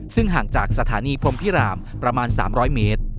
ซึ่งห่างจากสถานีพรมพิรามประมาณ๓๐๐เมตร